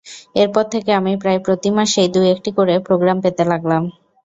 এরপর থেকে আমি প্রায় প্রতি মাসেই দু-একটি করে প্রোগ্রাম পেতে লাগলাম।